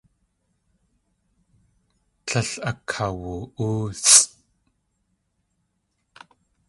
Tlél akawu.óosʼ.